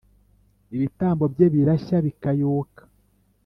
Ibitambo bye birashya bikayoka,